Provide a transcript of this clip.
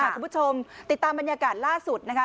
คุณผู้ชมติดตามบรรยากาศล่าสุดนะคะ